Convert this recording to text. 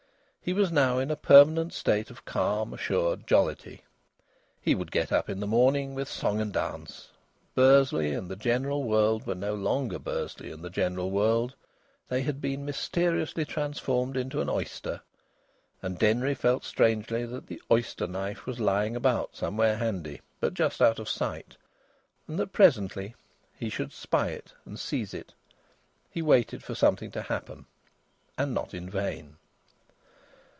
He was now in a permanent state of calm, assured jollity. He would get up in the morning with song and dance. Bursley and the general world were no longer Bursley and the general world; they had been mysteriously transformed into an oyster; and Denry felt strangely that the oyster knife was lying about somewhere handy, but just out of sight, and that presently he should spy it and seize it. He waited for something to happen. And not in vain.